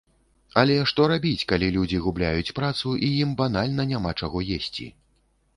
Але што рабіць, калі людзі губляюць працу, і ім банальна няма чаго есці?